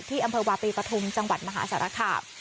อำเภอวาปีปฐุมจังหวัดมหาสารคาม